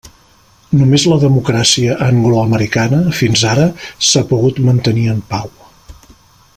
Només la democràcia angloamericana, fins ara, s'ha pogut mantenir en pau.